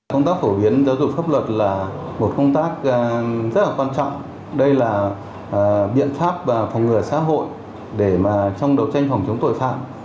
công tác phổ biến giáo dục pháp luật là một công tác rất là quan trọng đây là biện pháp phòng ngừa xã hội để trong đấu tranh phòng chống tội phạm